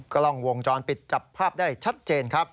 กล้องวงจรปิดจับภาพได้ชัดเจนครับ